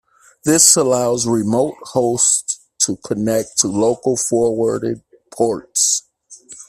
This allows remote hosts to connect to local forwarded ports.